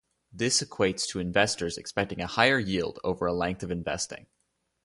This equates to investors expecting a higher yield over a length of investing.